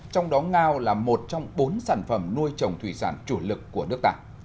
trong đó ngao là một trong bốn sản phẩm nuôi trồng thủy sản chủ lực của nước ta